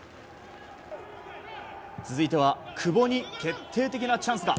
続いては久保に決定的なチャンスが。